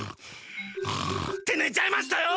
ってねちゃいましたよ！